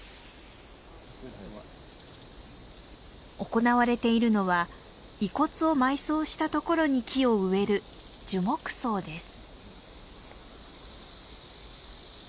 行われているのは遺骨を埋葬した所に木を植える樹木葬です。